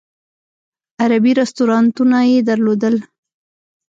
عربي رستورانونه یې درلودل.